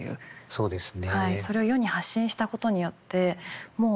そうですよね。